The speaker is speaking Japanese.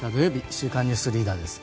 「週刊ニュースリーダー」です。